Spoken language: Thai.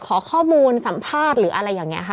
ขอข้อมูลสัมภาษณ์หรืออะไรอย่างนี้ค่ะ